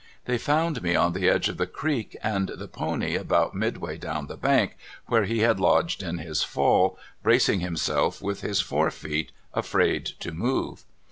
The}^ found me on the edge of the creek, and the pony about midway down the bank, w^here he had lodged in his fall, bracing himself with his fore feet, afraid to move.